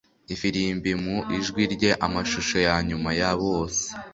ifirimbi mu ijwi rye. amashusho yanyuma ya bose